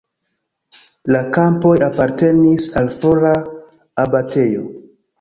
La kampoj apartenis al fora abatejo.